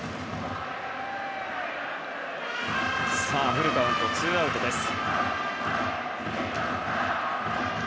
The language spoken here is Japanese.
フルカウント、ツーアウトです。